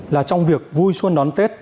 là trong việc vui xuân đón tết